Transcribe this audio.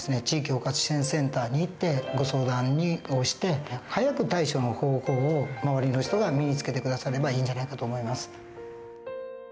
地域包括支援センターに行ってご相談をして早く対処の方法を周りの人が身につけて下さればいいんじゃないかと思います。